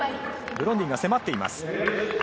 ブロンディンが迫っています。